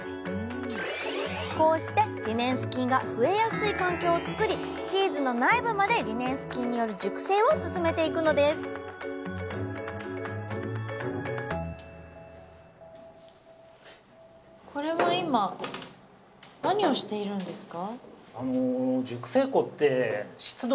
こうしてリネンス菌が増えやすい環境を作りチーズの内部までリネンス菌による熟成を進めていくのですこれは今何をしているんですか？